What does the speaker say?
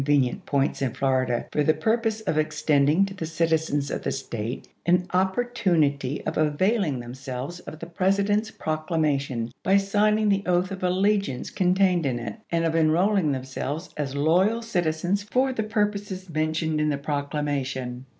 3i,i864. venient points in Florida for the purpose of ex tending to the citizens of the State an opportunity of availing themselves of the President's Proc lamation, by signing the oath of allegiance con tained in it, and of enrolling themselves as loyal citizens for the purposes mentioned in the Procla mation.